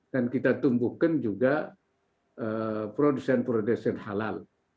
dan kita tumbuhkan juga produsen produsen halal